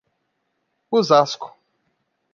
Osasco